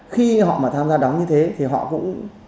khi họ mà tham gia đóng như thế thì họ cũng